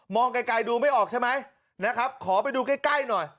ไกลดูไม่ออกใช่ไหมนะครับขอไปดูใกล้ใกล้หน่อย